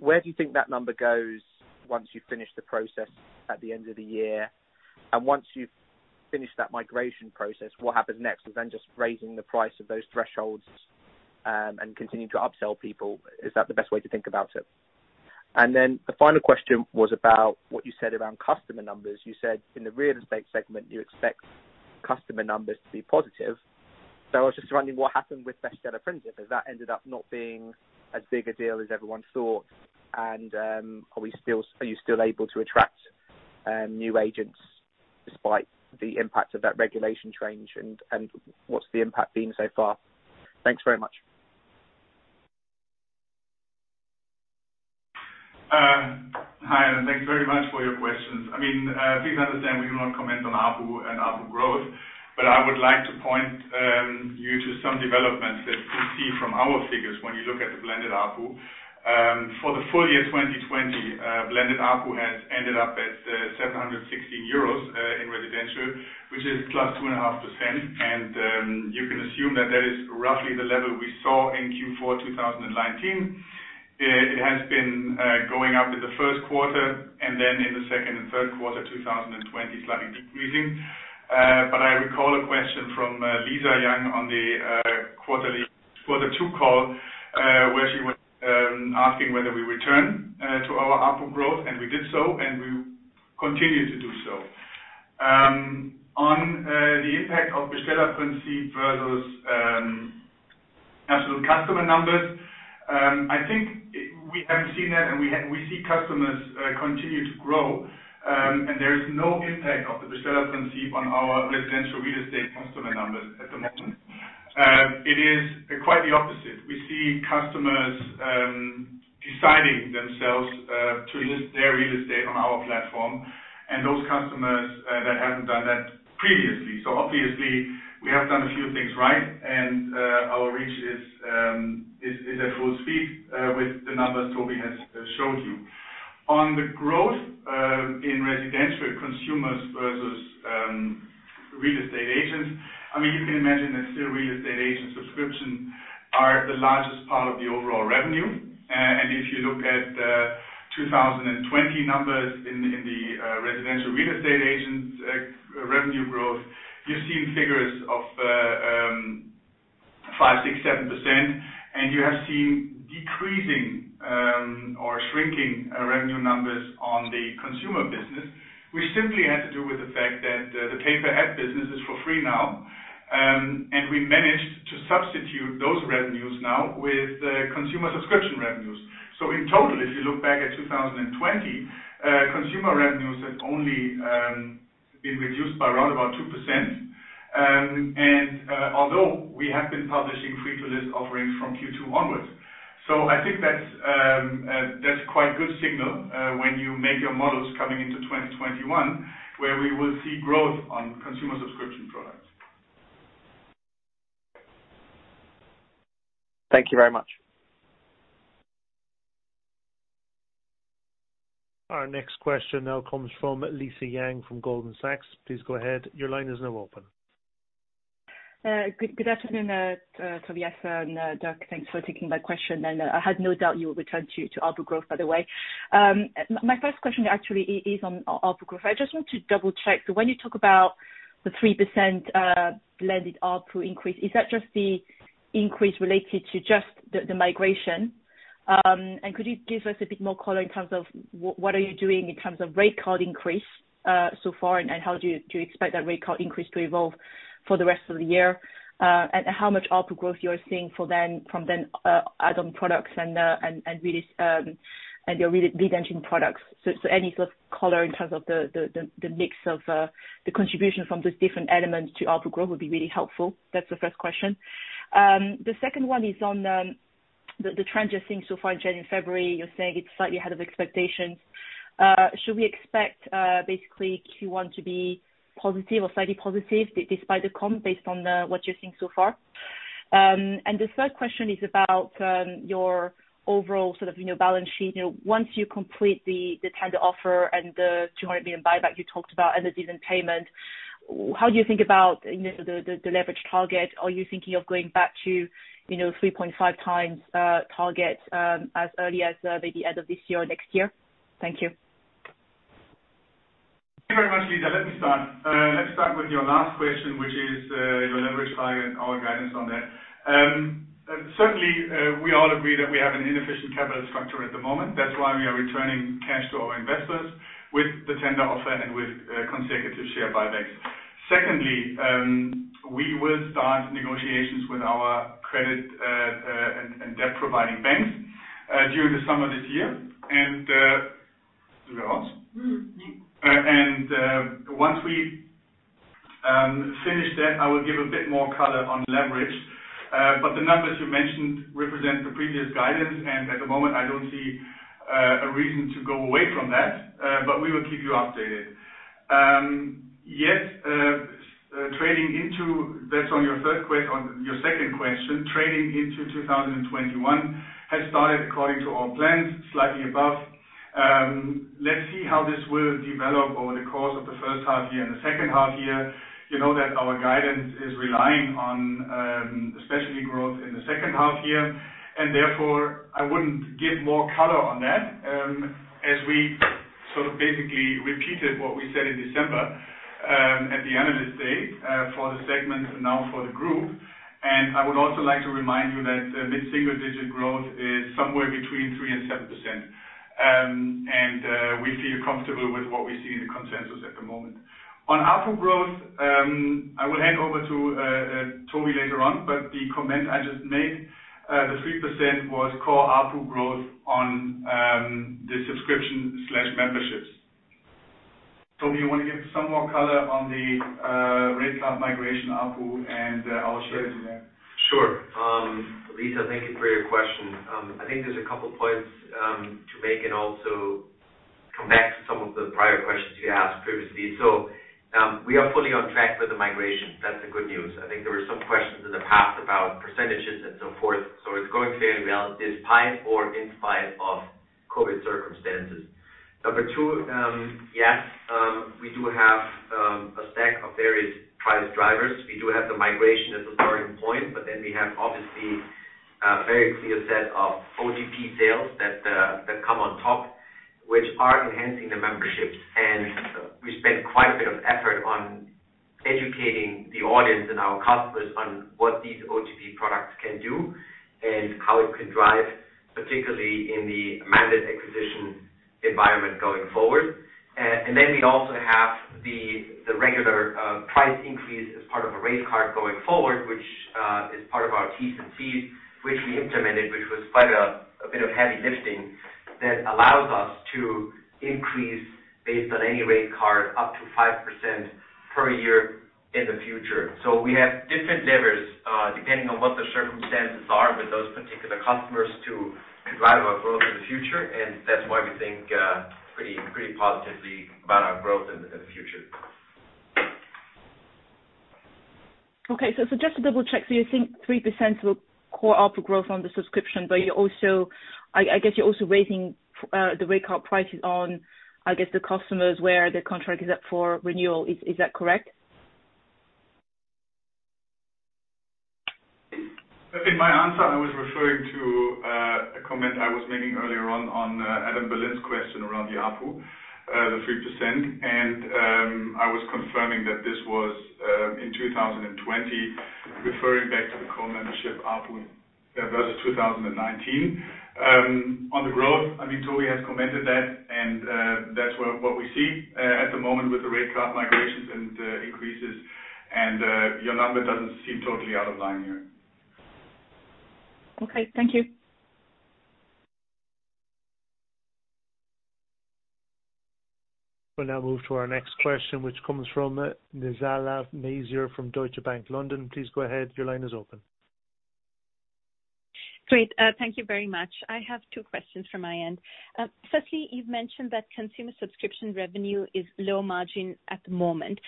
[2021]. Where do you think that number goes once you finish the process at the end of the year? Once you've finished that migration process, what happens next with then just raising the price of those thresholds and continue to upsell people. Is that the best way to think about it? The final question was about what you said around customer numbers. You said in the real estate segment, you expect customer numbers to be positive. So I was just wondering what happened with Bestellerprinzip. Has that ended up not being as big a deal as everyone thought? Are you still able to attract new agents despite the impact of that regulation change? What's the impact been so far? Thanks very much. Hi, and thanks very much for your questions. I mean, please understand we will not comment on ARPU and ARPA growth, but I would like to point you to some developments that you see from our figures when you look at the blended ARPU. For the full year 2020, blended ARPU has ended up at 716 euros in residential, which is +2.5%. You can assume that that is roughly the level we saw in Q4 2019. It has been going up in Q1 and then in Q2 and Q3 2020, slightly decreasing. I recall a question from Lisa Yang on the Q2 call where she was asking whether we return to our ARPU growth, and we did so, and we continue to do so. On the impact of Bestellerprinzip versus absolute customer numbers, I think we haven't seen that, and we see customers continue to grow, and there is no impact of the Bestellerprinzip on our residential real estate customer numbers at the moment. It is quite the opposite. We see customers deciding themselves to list their real estate on our platform, and those customers that haven't done that previously. Obviously, we have done a few things right, and our reach is at full speed with the numbers Tobi has showed you. On the growth in residential consumers versus real estate agents, I mean, you can imagine that still real estate agent subscriptions are the largest part of the overall revenue. If you look at the 2020 numbers in the residential real estate agent revenue growth, you've seen figures of 5%, 6%, 7%, and you have seen decreasing or shrinking revenue numbers on the consumer business, which simply had to do with the fact that the pay-per-ad business is for free now. We managed to substitute those revenues now with consumer subscription revenues. In total, if you look back at 2020, consumer revenues have only been reduced by around about 2%, although we have been publishing free-to-list offerings from Q2 onwards. I think that's quite a good signal when you make your models coming into 2021, where we will see growth on consumer subscription products. Thank you very much. Our next question now comes from Lisa Yang from Goldman Sachs. Please go ahead. Your line is now open. Good afternoon, Tobias and Dirk. Thanks for taking my question. I had no doubt you will return to ARPU growth, by the way. My first question actually is on ARPU growth. I just want to double-check. When you talk about the 3% blended ARPU increase, is that just the increase related to just the migration? Could you give us a bit more color in terms of what are you doing in terms of rate card increase so far, and how do you expect that rate card increase to evolve for the rest of the year, and how much ARPU growth you are seeing from then add-on products and your lead engine products? Any sort of color in terms of the mix of the contribution from those different elements to ARPU growth would be really helpful. That's the first question. The second one is on the trend you're seeing so far in January [2021] and February [2021]. You're saying it's slightly ahead of expectations. Should we expect basically Q1 to be positive or slightly positive despite the comp based on what you're seeing so far? The third question is about your overall sort of balance sheet. Once you complete the tender offer and the 200 million buyback you talked about and the dividend payment, how do you think about the leverage target? Are you thinking of going back to 3.5x target as early as maybe end of this year or next year? Thank you. Thank you very much, Lisa. Let me start. Let's start with your last question, which is leverage target and our guidance on that. Certainly, we all agree that we have an inefficient capital structure at the moment. That's why we are returning cash to our investors with the tender offer and with consecutive share buybacks. Secondly, we will start negotiations with our credit and debt-providing banks during the summer this year, and once we finish that, I will give a bit more color on leverage, but the numbers you mentioned represent the previous guidance, and at the moment, I don't see a reason to go away from that, but we will keep you updated. Yes, trading into—that's on your second question—trading into 2021 has started according to our plans, slightly above. Let's see how this will develop over the course of [H1] and the [H2]. You know that our guidance is relying on specialty growth in the [H2], and therefore, I wouldn't give more color on that as we sort of basically repeated what we said in December [2020] at the Analyst Day for the segment and now for the group. I would also like to remind you that mid-single-digit growth is somewhere between 3% and 7%, and we feel comfortable with what we see in the consensus at the moment. On ARPU growth, I will hand over to Tobi later on, but the comment I just made, the 3% was core ARPU growth on the subscription/memberships. Tobi, you want to give some more color on the rate card migration ARPU, and I'll share it with you. Sure. Lisa, thank you for your question. I think there's a couple of points to make and also come back to some of the prior questions you asked previously. We are fully on track with the migration. That's the good news. I think there were some questions in the past about percentages and so forth. It's going fairly well despite or in spite of COVID circumstances. Number two, yes, we do have a stack of various price drivers. We do have the migration as a starting point, but then we have obviously a very clear set of OTP sales that come on top, which are enhancing the memberships. We spent quite a bit of effort on educating the audience and our customers on what these OTP products can do and how it could drive, particularly in the mandate acquisition environment going forward. We also have the regular price increase as part of a rate card going forward, which is part of our [Ts&Cs], which we implemented, which was quite a bit of heavy lifting that allows us to increase based on any rate card up to 5% per year in the future. So we have different levers depending on what the circumstances are with those particular customers to drive our growth in the future, and that's why we think pretty positively about our growth in the future. Okay. Just to double-check, so you think 3% core ARPU growth on the subscription, but I guess you're also raising the rate card prices on, I guess, the customers where the contract is up for renewal. Is that correct? In my answer, I was referring to a comment I was making earlier on Adam Berlin's question around the ARPU, the 3%, and I was confirming that this was in 2020, referring back to the core membership ARPU versus 2019. On the growth, I mean, Tobi has commented that, and that's what we see at the moment with the rate card migrations and increases, and your number doesn't seem totally out of line here. Okay. Thank you. We'll now move to our next question, which comes from Nizla Naizer from Deutsche Bank London. Please go ahead. Your line is open. Great. Thank you very much. I have two questions from my end. Firstly, you've mentioned that consumer subscription revenue is low margin at the moment.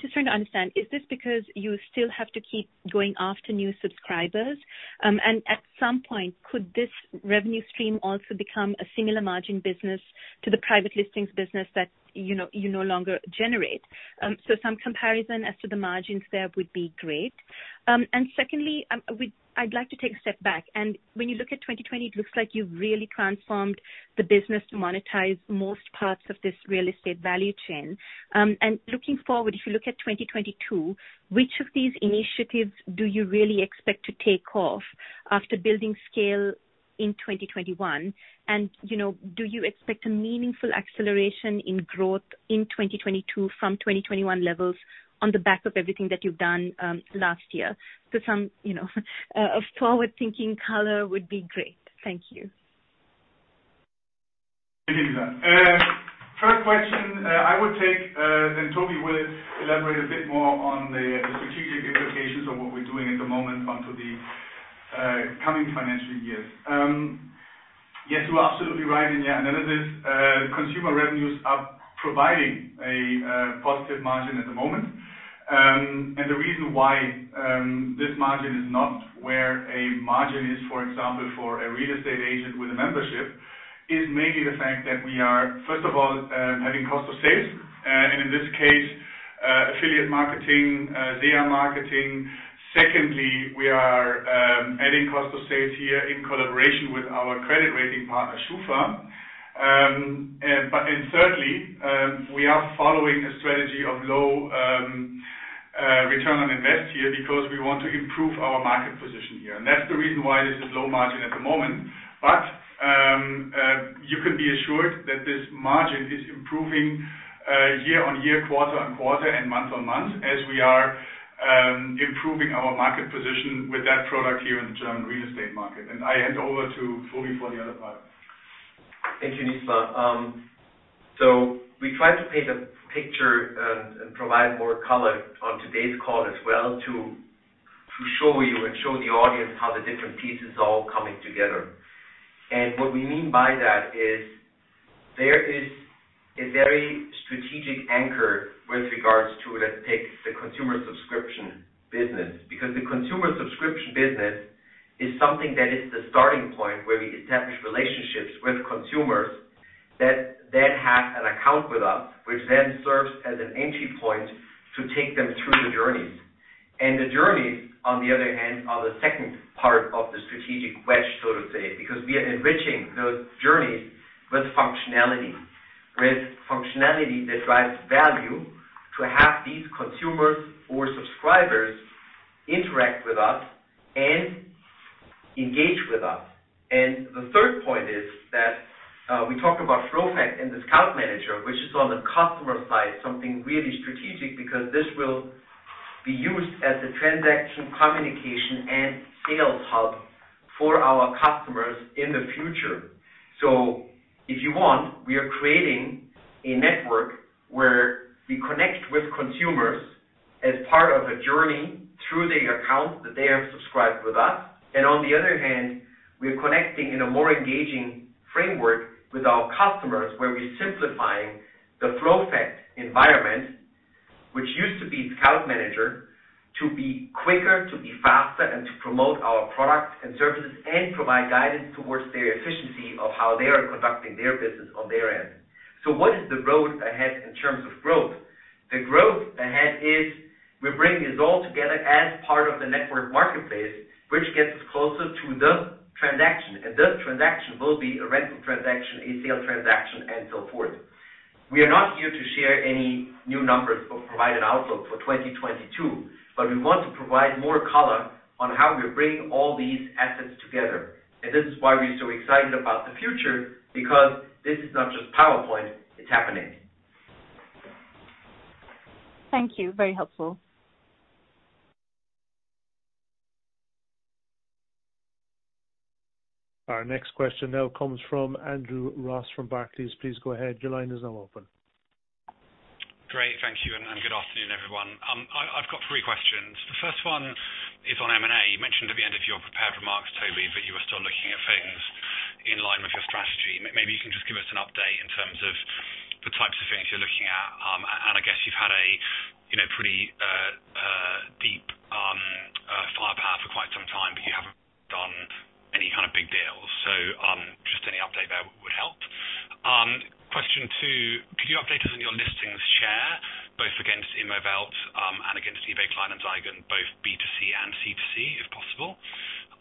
Just trying to understand, is this because you still have to keep going after new subscribers? At some point, could this revenue stream also become a similar margin business to the private listings business that you no longer generate? Some comparison as to the margins there would be great. Secondly, I'd like to take a step back. When you look at 2020, it looks like you've really transformed the business to monetize most parts of this real estate value chain. Looking forward, if you look at 2022, which of these initiatives do you really expect to take off after building scale in 2021? Do you expect a meaningful acceleration in growth in 2022 from 2021 levels on the back of everything that you've done last year? So some forward-thinking color would be great. Thank you. Thank you, Lisa. First question, I would take, and Tobi will elaborate a bit more on the strategic implications of what we're doing at the moment into the coming financial years. Yes, you are absolutely right in your analysis. Consumer revenues are providing a positive margin at the moment. The reason why this margin is not where a margin is, for example, for a real estate agent with a membership, is mainly the fact that we are, first of all, having cost of sales, and in this case, affiliate marketing, [SEA] marketing. Secondly, we are adding cost of sales here in collaboration with our credit rating partner, SCHUFA. Thirdly, we are following a strategy of low return on investment here because we want to improve our market position here. That's the reason why this is low margin at the moment. You can be assured that this margin is improving year-on-year, quarter-on-quarter, and month-on-month as we are improving our market position with that product here in the German real estate market. I hand over to Tobi for the other part. Thank you, Nizla. So we tried to paint a picture and provide more color on today's call as well to show you and show the audience how the different pieces are all coming together. What we mean by that is there is a very strategic anchor with regards to, let's say the consumer subscription business, because the consumer subscription business is something that is the starting point where we establish relationships with consumers that then have an account with us, which then serves as an entry point to take them through the journeys. The journeys, on the other hand, are the second part of the strategic wedge, so to say, because we are enriching those journeys with functionality, with functionality that drives value to have these consumers or subscribers interact with us and engage with us. The third point is that we talk about FlowFact and the ScoutManager, which is on the customer side, something really strategic because this will be used as a transaction communication and sales hub for our customers in the future. If you want, we are creating a network where we connect with consumers as part of a journey through the accounts that they have subscribed with us. On the other hand, we are connecting in a more engaging framework with our customers where we're simplifying the FlowFact environment, which used to be ScoutManager, to be quicker, to be faster, and to promote our products and services and provide guidance towards their efficiency of how they are conducting their business on their end. What is the road ahead in terms of growth? The growth ahead is we're bringing this all together as part of the network marketplace, which gets us closer to the transactio. That transaction will be a rental transaction, a sale transaction, and so forth. We are not here to share any new numbers or provide an outlook for 2022, but we want to provide more color on how we're bringing all these assets together. This is why we're so excited about the future because this is not just PowerPoint. It's happening. Thank you. Very helpful. Our next question now comes from Andrew Ross from Barclays. Please go ahead. Your line is now open. Great. Thank you. Good afternoon, everyone. I've got three questions. The first one is on M&A. You mentioned at the end of your prepared remarks, Tobi, that you were still looking at things in line with your strategy. Maybe you can just give us an update in terms of the types of things you're looking at. I guess you've had a pretty deep firepower for quite some time, but you haven't done any kind of big deals. Just any update there would help. Question two, could you update us on your listings share, both against Immowelt and against eBay Kleinanzeigen, both B2C and C2C, if possible?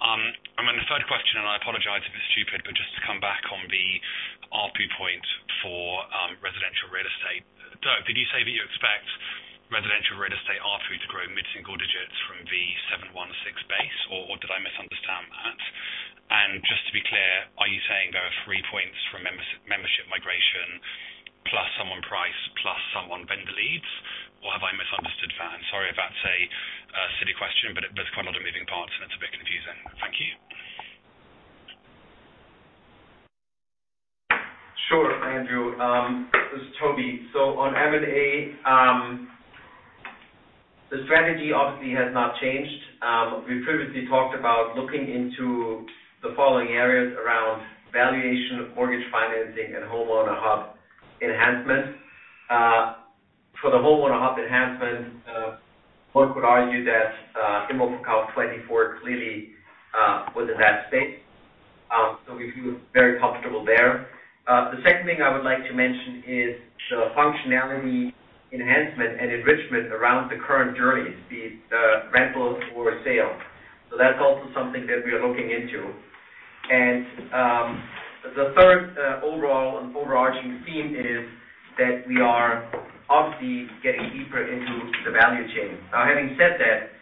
Then the third question, and I apologize if it's stupid, but just to come back on the ARPU point for residential real estate. Did you say that you expect residential real estate ARPU to grow mid-single digits from the 716 base? Or did I misunderstand that? Just to be clear, are you saying there are three points for membership migration plus some on price plus some on vendor leads? Or have I misunderstood that? Sorry if that's a silly question, but there's quite a lot of moving parts, and it's a bit confusing. Thank you. Sure, Andrew. This is Tobi. So on M&A, the strategy obviously has not changed. We previously talked about looking into the following areas around valuation, mortgage financing, and Homeowner Hub enhancement. For the Homeowner Hub enhancement, one could argue that ImmoScout24 clearly was in that space. We feel very comfortable there. The second thing I would like to mention is the functionality enhancement and enrichment around the current journeys, be it rental or sale. That's also something that we are looking into. The third overall and overarching theme is that we are obviously getting deeper into the value chain. Now, having said that,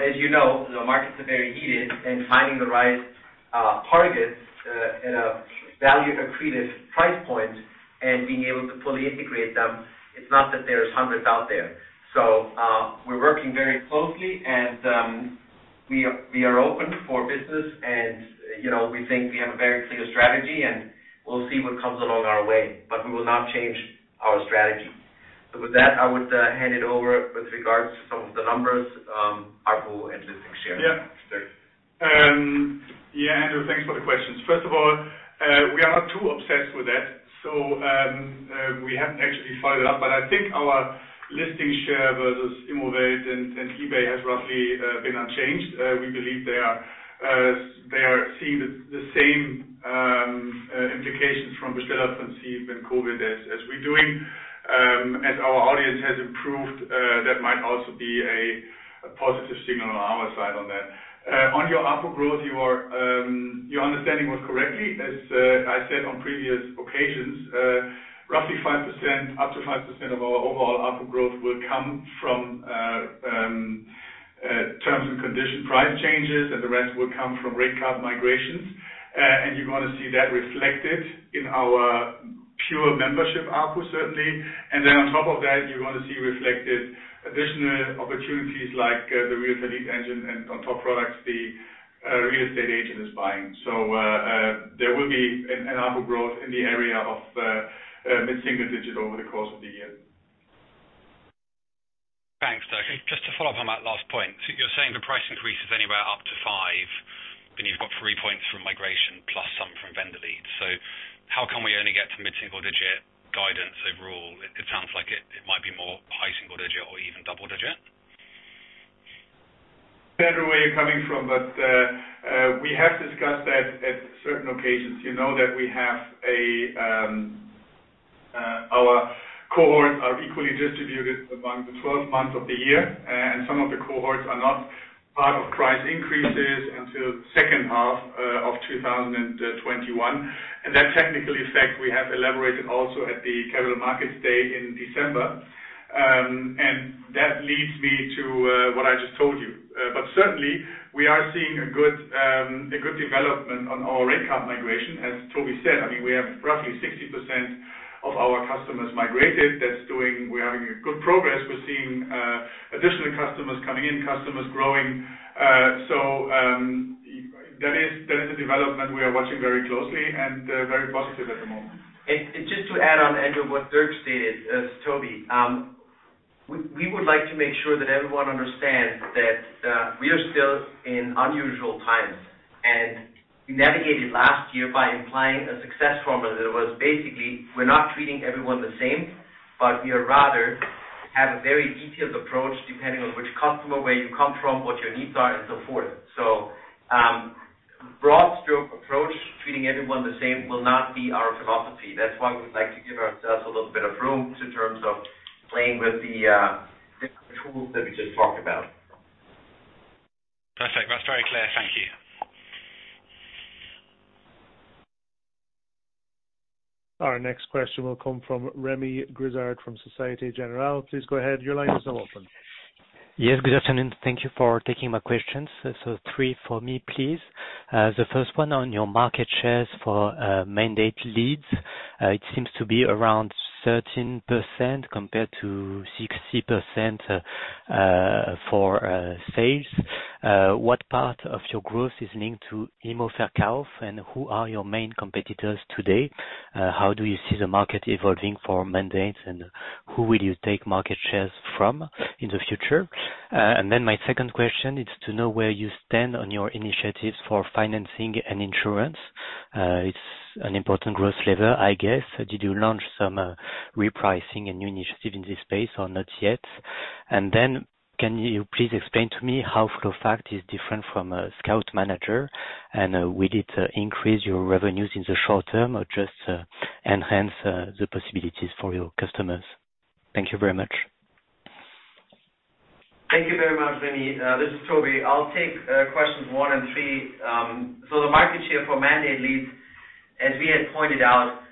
as you know, the markets are very heated, and finding the right targets at a value-accretive price point and being able to fully integrate them, it's not that there's hundreds out there. We're working very closely, and we are open for business, and we think we have a very clear strategy, and we'll see what comes along our way. We will not change our strategy. With that, I would hand it over with regards to some of the numbers, ARPU and listing share. Yeah. Yeah, Andrew, thanks for the questions. First of all, we are not too obsessed with that, so we haven't actually followed it up, but I think our listing share versus Immowelt and eBay has roughly been unchanged. We believe they are seeing the same implications from Bestellerprinzip and COVID as we're doing. As our audience has improved, that might also be a positive signal on our side on that. On your ARPU growth, your understanding was correct, as I said on previous occasions, roughly 5% up to 5% of our overall ARPU growth will come from terms and conditions price changes, and the rest will come from rate card migrations, and you're going to see that reflected in our pure membership ARPU, certainly, and then on top of that, you're going to see reflected additional opportunities like the Realtor Lead Engine and on-top products the real estate agent is buying. So there will be an ARPU growth in the area of mid-single-digit over the course of the year. Thanks, Dirk. Just to follow up on that last point, you're saying the price increase is anywhere up to 5%, and you've got three points from migration plus some from vendor leads. How can we only get to mid-single-digit guidance overall? It sounds like it might be more high single-digit or even double-digit. Andrew, where you're coming from, but we have discussed that at certain occasions. You know that we have our cohorts are equally distributed among the 12 months of the year, and some of the cohorts are not part of price increases until the second half of 2021. That technical effect we have elaborated also at the Capital Markets Day in December 2020. That leads me to what I just told you. Certainly, we are seeing a good development on our rate card migration. As Tobi said, I mean, we have roughly 60% of our customers migrated. We're having good progress. We're seeing additional customers coming in, customers growing. That is a development we are watching very closely and very positive at the moment. Just to add on, Andrew, what Dirk stated, it's Tobi, we would like to make sure that everyone understands that we are still in unusual times. We navigated last year by implying a success formula that was basically, we're not treating everyone the same, but we rather have a very detailed approach depending on which customer, where you come from, what your needs are, and so forth. Broad-stroke approach, treating everyone the same will not be our philosophy. That's why we'd like to give ourselves a little bit of room in terms of playing with the different tools that we just talked about. Perfect. That's very clear. Thank you. Our next question will come from Remi Grisardfrom Société Générale. Please go ahead. Your line is now open. Yes, good afternoon. Thank you for taking my questions. Three for me, please. The first one on your market shares for mandate leads, it seems to be around 13% compared to 60% for sales. What part of your growth is linked to immoverkauf24 and who are your main competitors today? How do you see the market evolving for mandates, and who will you take market shares from in the future? Then my second question is to know where you stand on your initiatives for financing and insurance. It's an important growth level, I guess. Did you launch some repricing and new initiatives in this space or not yet? Can you please explain to me how FlowFact is different from ScoutManager, and will it increase your revenues in the short term or just enhance the possibilities for your customers? Thank you very much. Thank you very much, Remi. This is Tobi. I'll take questions one and three. The market share for mandate leads, as we had pointed out,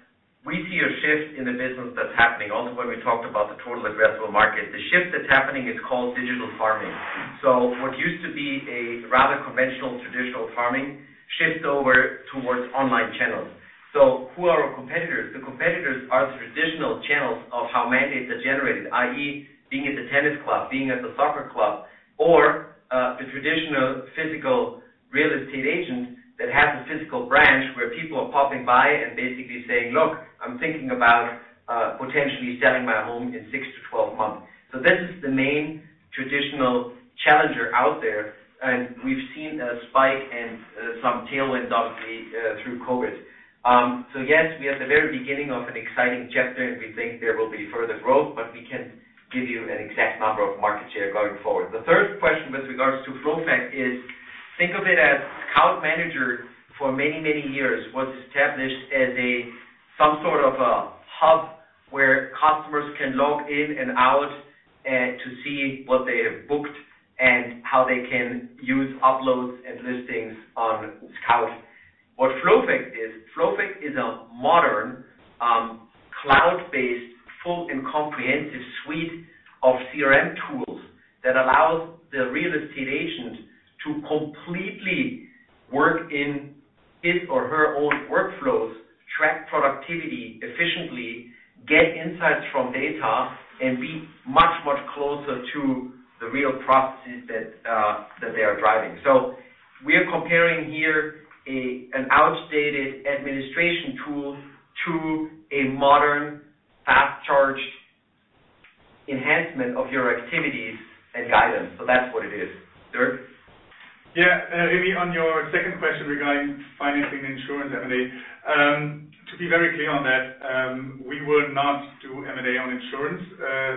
we see a shift in the business that's happening. When we talked about the total addressable market, the shift that's happening is called digital farming. What used to be a rather conventional traditional farming shifts over towards online channels. Who are our competitors? The competitors are the traditional channels of how mandates are generated, i.e., being at the tennis club, being at the soccer club, or the traditional physical real estate agent that has a physical branch where people are popping by and basically saying, "Look, I'm thinking about potentially selling my home in six to 12 months." This is is the main traditional challenger out there. We've seen a spike and some tailwind, obviously, through COVID. Yes, we are at the very beginning of an exciting chapter, and we think there will be further growth, but we can't give you an exact number of market share going forward. The third question with regards to FlowFact is, think of it as ScoutManager for many, many years, was established as some sort of a hub where customers can log in and out to see what they have booked and how they can use uploads and listings on Scout. What FlowFact is, FlowFact is a modern cloud-based full and comprehensive suite of CRM tools that allows the real estate agent to completely work in his or her own workflows, track productivity efficiently, get insights from data, and be much, much closer to the real processes that they are driving. We are comparing here an outdated administration tool to a modern, fast-charged enhancement of your activities and guidance. That's what it is. Dirk? Yeah. Remi, on your second question regarding financing and insurance, M&A, to be very clear on that, we will not do M&A on insurance.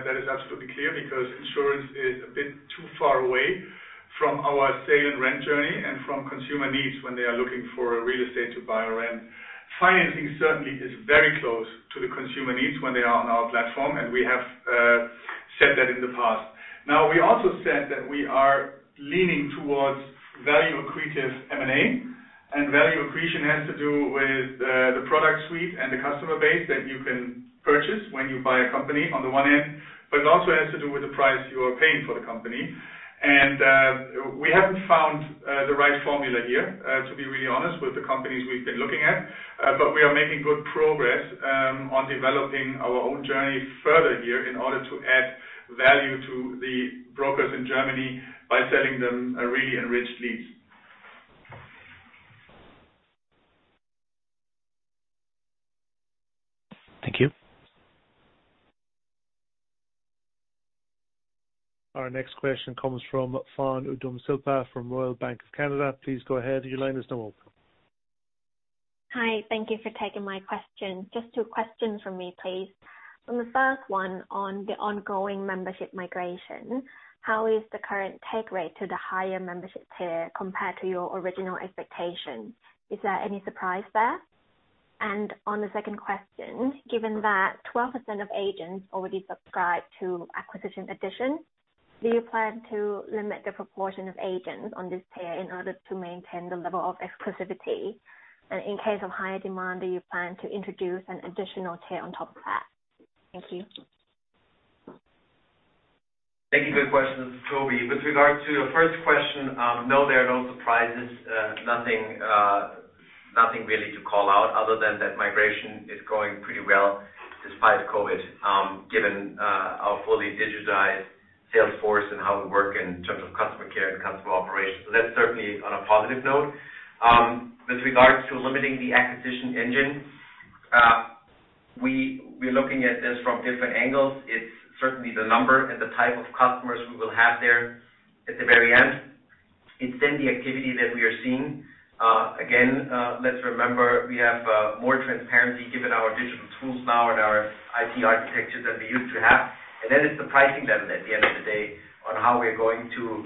That is absolutely clear because insurance is a bit too far away from our sale and rent journey and from consumer needs when they are looking for real estate to buy or rent. Financing certainly is very close to the consumer needs when they are on our platform, and we have said that in the past. Now, we also said that we are leaning towards value-accretive M&A, and value accretion has to do with the product suite and the customer base that you can purchase when you buy a company on the one end, but it also has to do with the price you are paying for the company. We haven't found the right formula here, to be really honest, with the companies we've been looking at, but we are making good progress on developing our own journey further here in order to add value to the brokers in Germany by selling them really enriched leads. Thank you. Our next question comes from [Fon] Udomsilpa from Royal Bank of Canada. Please go ahead. Your line is now open. Hi. Thank you for taking my question. Just two questions from me, please. On the first one, on the ongoing membership migration, how is the current take rate to the higher membership tier compared to your original expectation? Is there any surprise there? On the second question, given that 12% of agents already subscribe to Acquisition Edition, do you plan to limit the proportion of agents on this tier in order to maintain the level of exclusivity? In case of higher demand, do you plan to introduce an additional tier on top of that? Thank you. Thank you. Good question. It's Tobi. With regard to the first question, no, there are no surprises, nothing really to call out other than that migration is going pretty well despite COVID, given our fully digitized sales force and how we work in terms of customer care and customer operations. That's certainly on a positive note. With regards to limiting the acquisition engine, we are looking at this from different angles. It's certainly the number and the type of customers we will have there at the very end. It's then the activity that we are seeing. Again, let's remember we have more transparency given our digital tools now and our IT architecture than we used to have. Then it's the pricing level at the end of the day on how we're going to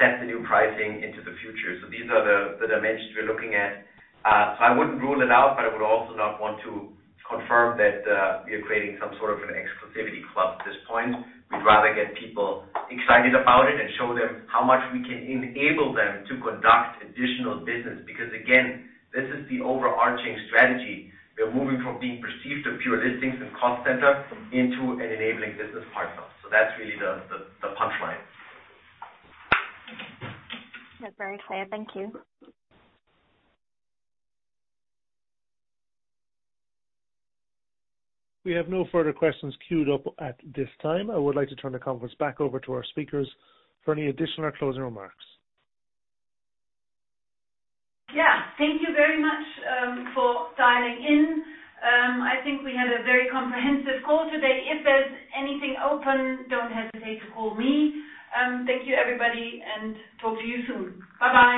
set the new pricing into the future. These are the dimensions we're looking at. I wouldn't rule it out, but I would also not want to confirm that we are creating some sort of an exclusivity club at this point. We'd rather get people excited about it and show them how much we can enable them to conduct additional business because, again, this is the overarching strategy. We're moving from being perceived as pure listings and cost center into an enabling business partner. That's really the punchline. That's very clear. Thank you. We have no further questions queued up at this time. I would like to turn the conference back over to our speakers for any additional or closing remarks. Yeah. Thank you very much for dialing in. I think we had a very comprehensive call today. If there's anything open, don't hesitate to call me. Thank you, everybody, and talk to you soon. Bye-bye.